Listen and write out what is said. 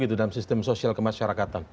dalam sistem sosial kemasyarakatan